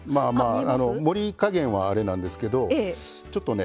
加減はあれなんですけどちょっとね